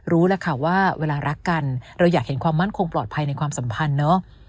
รู้แล้วค่ะว่าเวลารักกันเราอยากเห็นความมั่นคงปลอดภัยในความสัมพันธ์เนอะ